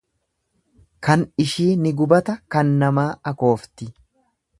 Kan ishii ni gubataa kan namaa akoofti.